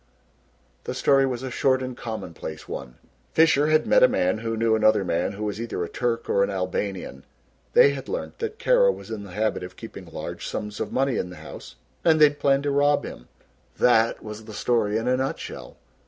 The story was a short and commonplace one. Fisher had met a man who knew another man who was either a Turk or an Albanian. They had learnt that Kara was in the habit of keeping large sums of money in the house and they had planned to rob him. That was the story in a nutshell.